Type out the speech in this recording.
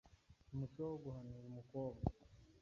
umuco wo guhanura umukobwa